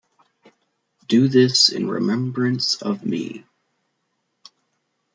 Do this in remembrance of me.